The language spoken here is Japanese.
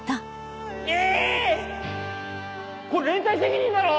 これ連帯責任だろ？